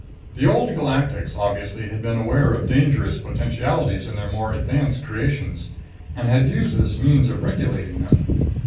The Old Galactics obviously had been aware of dangerous potentialities in their more advanced creations, and had used this means of regulating them.